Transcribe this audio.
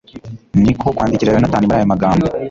ni ko kwandikira yonatani muri aya magambo